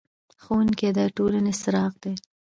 ښوونکی د ټولنې څراغ دی.